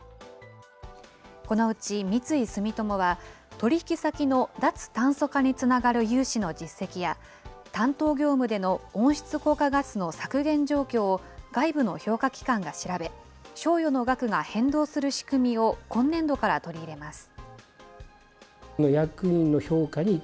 このうち三井住友は、取引先の脱炭素化につながる融資の実績や、担当業務での温室効果ガスの削減状況を外部の評価機関が調べ、賞与の額が変動する仕組みを今年度から取り入れます。